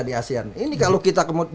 di asean ini kalau kita